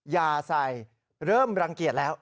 อย่าใส่เริ่มรังเกียจแล้ว